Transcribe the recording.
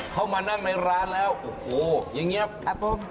เข้ามานั่งในร้านแล้วโอ้โฮแย็บครับผม